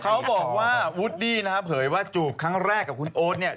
เขาบอกว่าวุดดี้เหยว่าจูบครั้งแรกกับคุณโอ๊ต